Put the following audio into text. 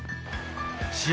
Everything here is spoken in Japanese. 試合